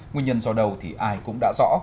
nguyên nhân do đầu thì ai cũng đã rõ